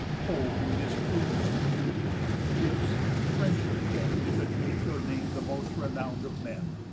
"O may this prove," said she; "gifts, friendship, then Should make your name the most renown'd of men.